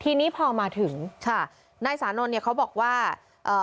ทีนี้พอมาถึงค่ะนายสานนท์เนี่ยเขาบอกว่าเอ่อ